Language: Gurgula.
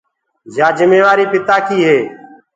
يآ جميوآريٚ پِتآ ڪيٚ هي